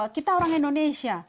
kita orang indonesia